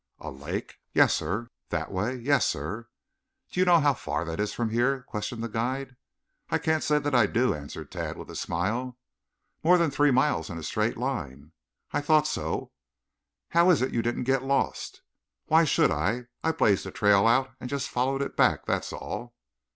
"A lake?" "Yes, sir." "That way?" "Yes, sir." "Do you know how far that is from here?" questioned the guide. "I can't say that I do," answered Tad with a smile. "More than three miles in a straight line." "I thought so." "How is it you didn't get lost?" "Why should I? I blazed a trail out and just followed it back, that's all."